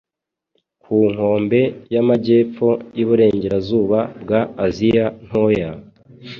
ku nkombe y’amajyepfo y’iburengerazuba bwa Asiya Ntoya,